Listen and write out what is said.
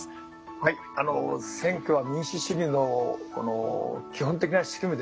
はい選挙は民主主義の基本的な仕組みですよね。